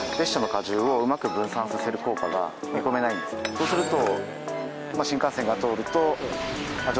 そうすると。